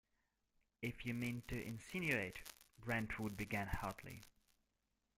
If you mean to insinuate -- Brentwood began hotly.